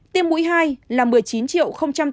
tiêm mũi hai là một mươi chín tám mươi sáu một mươi sáu liều